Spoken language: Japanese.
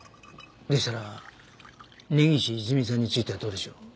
でしたら根岸いずみさんについてはどうでしょう？